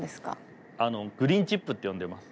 グリーンチップって呼んでます。